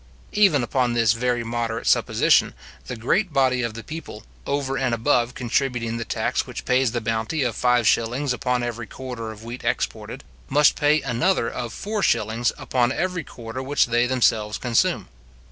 Even upon this very moderate supposition, the great body of the people, over and above contributing the tax which pays the bounty of 5s. upon every quarter of wheat exported, must pay another of 4s. upon every quarter which they themselves consume.